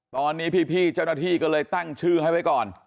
ตอนนี้พี่เจ้าหน้าที่ก็เลยตั้งชื่อให้ไว้ก่อน